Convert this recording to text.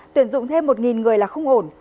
tuyển dụng thêm một người là không ổn